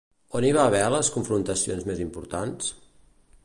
On hi va haver les confrontacions més importants?